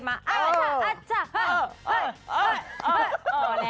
มาอัชชะอัชชะ